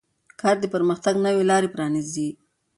کار د پرمختګ نوې لارې پرانیزي